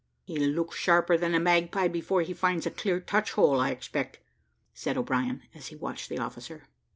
"He'll look sharper than a magpie before he finds a clear touch hole, I expect," said O'Brien, as he watched the officer.